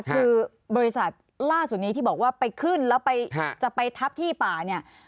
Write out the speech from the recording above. คือบริษัทล่าสุดนี้ที่บอกว่าไปขึ้นแล้วจะไปทับที่ป่าเนี่ย